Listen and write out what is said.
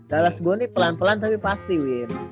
dallas gue nih pelan pelan tapi pasti win